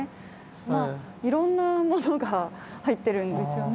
まあいろんなものが入ってるんですよね。